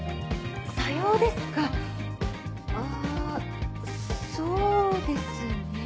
左様ですかあそうですね。